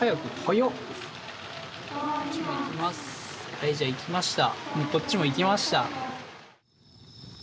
はいじゃあいきました。